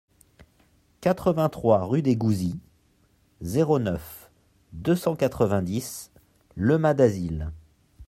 quatre-vingt-trois rue des Gouzis, zéro neuf, deux cent quatre-vingt-dix Le Mas-d'Azil